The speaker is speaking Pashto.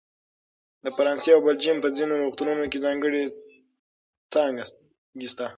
د فرانسه او بلجیم په ځینو روغتونونو کې ځانګړې څانګې شته.